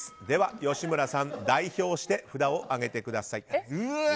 吉村さん、代表して札を上げてください。